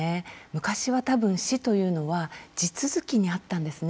昔はたぶん死というのは地続きにあったんですね。